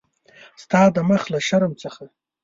ستا د مخ له شرم څخه.